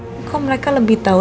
ternyata dia lagi nangis